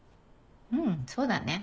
うんそうだね。